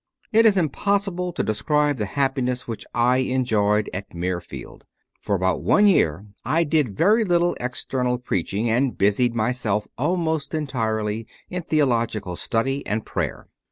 3. It is impossible to describe the happiness which I enjoyed at Mirfield. For about one year I 66 CONFESSIONS OF A CONVERT did very little external preaching and busied myself almost entirely in theological study and prayer.